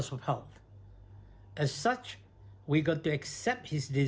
sebagai sebab kita harus menerima keputusan dia